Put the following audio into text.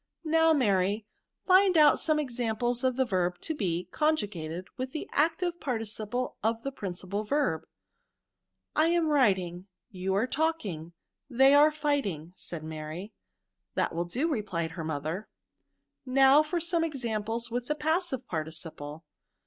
Now, Mary, find out some examples of the verb to be conjugated with the active participle of the principal verb." *' I am writing, you are talking, they are fighting," said Mary. That will do," replied her mother ;now for some examples with the passive parti ciple."